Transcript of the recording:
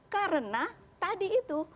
karena tadi itu